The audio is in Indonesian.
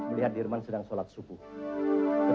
melihat derman sedang sholat syukur